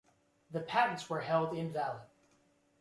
The patents were held invalid.